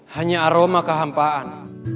hanya aroma kehampaan